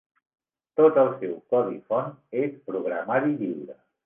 Tot el seu codi font és programari lliure.